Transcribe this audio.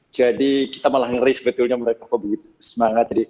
jadi kita malah ngeri sebetulnya mereka kok begitu semangat